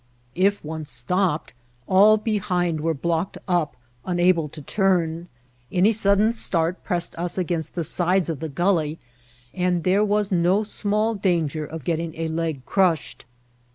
If one stopped, all behind were blocked up, unable to turn. Any sud den start pressed us against the sides of the gulley, and there was no small danger of getting a leg crushed.